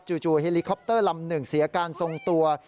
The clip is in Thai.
เฮลิคอปเตอร์ลำหนึ่งเสียการทรงตัว